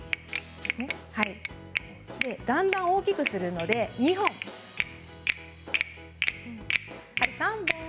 だんだん大きくするので２本でたたきます。